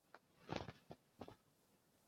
聂家寺的历史年代为清。